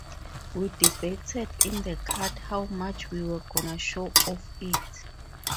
We debated in the cut how much we were gonna show of it.